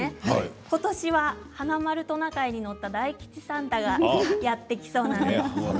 ことしは華丸トナカイに乗った大吉サンタがやって来そうです。